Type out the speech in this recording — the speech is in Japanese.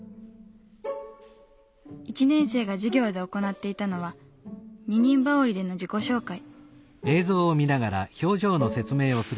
１年生が授業で行っていたのは二人羽織での自己紹介。